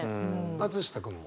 松下君も？